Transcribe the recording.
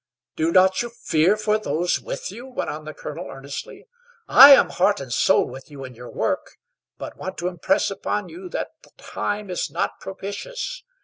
"Do you not fear for those with you?" went on the colonel earnestly. "I am heart and soul with you in your work, but want to impress upon you that the time is not propitious.